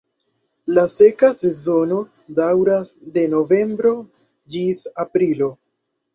La seka sezono daŭras de novembro ĝis aprilo.